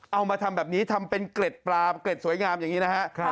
เอามาทำแบบนี้ทำเป็นเกร็ดปลาเกร็ดสวยงามอย่างนี้นะฮะ